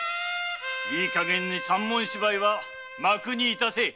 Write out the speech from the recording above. いいかげんに三文芝居は幕に致せ！